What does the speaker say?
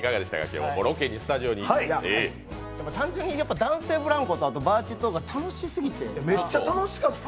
単純に男性ブランコとバーチーとがめっちゃ楽しかった。